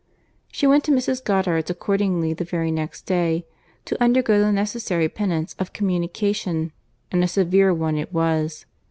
She went to Mrs. Goddard's accordingly the very next day, to undergo the necessary penance of communication; and a severe one it was.